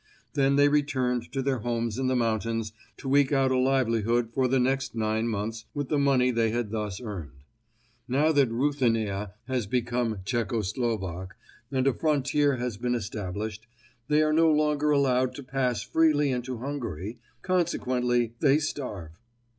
Then they returned to their homes in the mountains to eke out a livelihood for the next nine months with the money they had thus earned. Now that Ruthenia has become Czecho Slovak and a frontier has been established, they are no longer allowed to pass freely into Hungary; consequently they starve.